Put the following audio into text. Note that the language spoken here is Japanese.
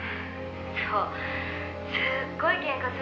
「そうすっごいケンカするんですよ」